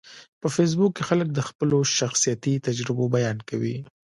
په فېسبوک کې خلک د خپلو شخصیتي تجربو بیان کوي